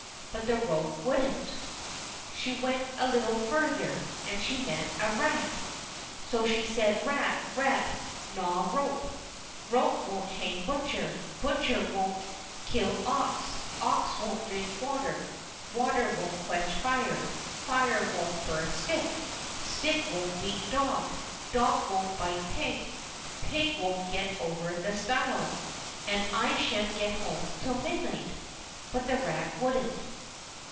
But the rope wouldn't. She went a little further, and she met a rat. So she said, " Rat ! rat ! gnaw rope ; rope won't hang butcher ; butcher won't kill ox ; ox won't drink water ; water won't quench fire ; fire won't burn stick ; stick won't beat dog ; dog won't bite pig ; pig won't get over the stile ; and I shan't get home till midnight." But the rat wouldn't.